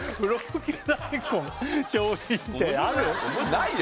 ないよ